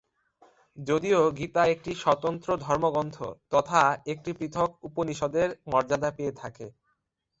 যদিও "গীতা" একটি স্বতন্ত্র ধর্মগ্রন্থ তথা একটি পৃথক উপনিষদের মর্যাদা পেয়ে থাকে।